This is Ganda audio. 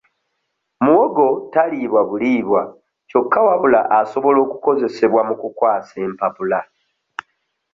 Muwogo taliibwa bulibwa kyokka wabula asobola okukozesebwa mu kukwasa empapula.